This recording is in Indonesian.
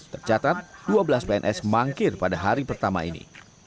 tercatat dua belas pns mangkir pada hari pertama ini